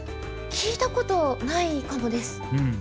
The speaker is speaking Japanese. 聞いたことないかもです。